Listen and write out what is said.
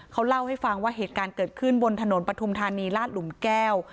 เขาเล่าให้ฟังว่าเหตุการณ์เกิดขึ้นบนถนนปฐุมธานีลาดหลุมแก้ว